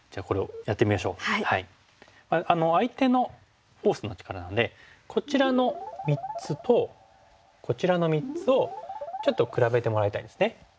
相手のフォースの力なんでこちらの３つとこちらの３つをちょっと比べてもらいたいんですね。